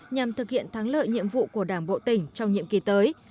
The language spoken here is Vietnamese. nhằm thực hiện thắng lợi nhiệm vụ của đảng bộ tỉnh trong nhiệm kỳ tới